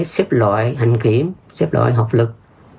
xếp loại hành kiểm xếp loại học lực